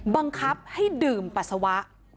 บังคับให้ดื่มปัสสาวะ